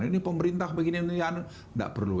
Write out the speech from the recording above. ini pemerintah begini ini yang tidak perlu